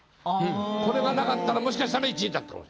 これがなかったらもしかしたら１位だったかもしれない。